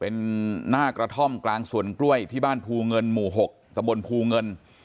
เป็นหน้ากระท่อมกลางสวนกล้วยที่บ้านภูเงินหมู่๖ตะบนภูเงิน